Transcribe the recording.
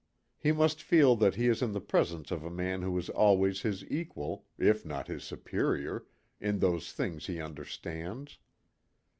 He must feel that he is in the presence of a man who is always his equal, if not his superior, in those things he understands.